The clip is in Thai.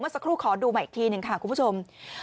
สักครู่ขอดูใหม่อีกทีหนึ่งค่ะคุณผู้ชม